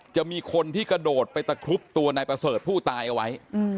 จะมีคนที่กระโดดไปตะครุบตัวนายประเสริฐผู้ตายเอาไว้